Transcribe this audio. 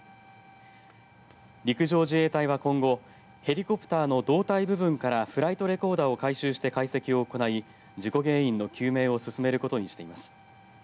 陸上自衛隊は今後ヘリコプターの胴体部分からフライトレコーダーを回収して解析を行い事故原因の究明を進めることにしています。